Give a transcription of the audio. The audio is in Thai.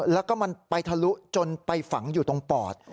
แล้วก็มันไปทะลุจนไปฝังอยู่ตรงปอด